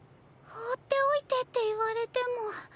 放っておいてって言われても。